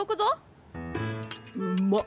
あうまっ。